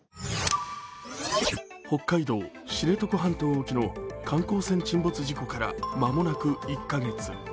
北海道・知床半島沖の観光船沈没事故から間もなく１カ月。